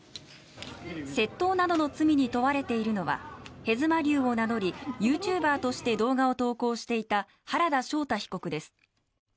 窃盗などの罪に問われているのはへずまりゅうを名乗りユーチューバーとして動画を投稿していた原田将大被告です。